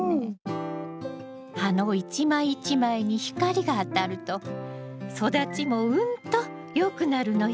葉の一枚一枚に光が当たると育ちもうんとよくなるのよ。